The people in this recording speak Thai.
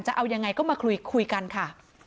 จะเอายังไงก็มาคุยกันค่ะ